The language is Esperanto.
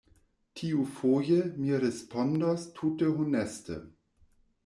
Tiufoje, mi respondos tute honeste!